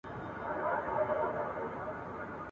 د نېكيو او بديو بنياد څه دئ !.